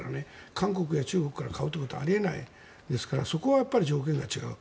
韓国や中国から買うというのはあり得ないですからそこは条件が違う。